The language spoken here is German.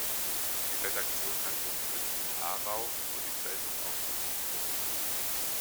Die Redaktion hat ihren Sitz in Aarau, wo die Zeitung auch gedruckt wird.